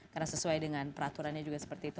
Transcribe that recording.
karena sesuai dengan peraturannya juga seperti itu